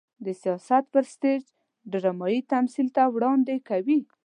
د سياست پر سټېج ډرامايي تمثيل ته وړاندې کوي.